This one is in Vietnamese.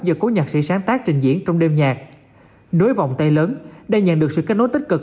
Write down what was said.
với vòng tay lớn đã nhận được sự kết nối tích cực